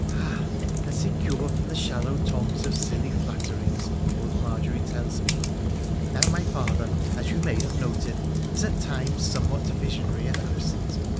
' Ah ! and secure from the shallow tongues of silly flatterers, old Margery tells me. Now, my father, as you may have noted, is at times somewhat visionary and absent.